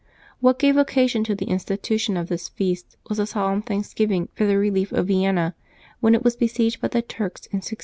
What gave occasion to the institution of this feast was a solemn thanksgiving for the relief of Vienna when it was besieged by the Turks in 1683.